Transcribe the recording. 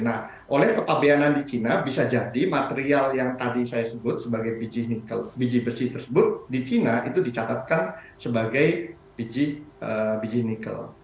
nah oleh kepabianan di china bisa jadi material yang tadi saya sebut sebagai biji besi tersebut di china itu dicatatkan sebagai biji nikel